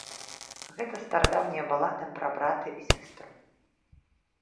Гэта старадаўняя балада пра брата і сястру.